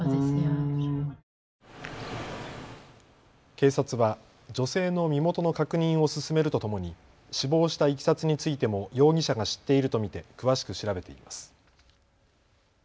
警察は女性の身元の確認を進めるとともに死亡したいきさつについても容疑者が知っていると見て詳しく調べています。